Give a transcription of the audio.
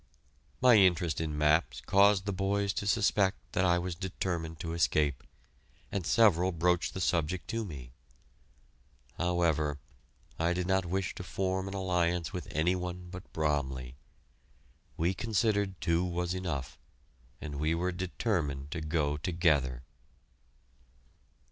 My interest in maps caused the boys to suspect that I was determined to escape, and several broached the subject to me. However, I did not wish to form an alliance with any one but Bromley. We considered two was enough, and we were determined to go together.